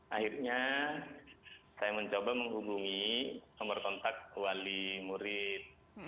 akhirnya saya mencoba menghubungi nomor kontak wali murid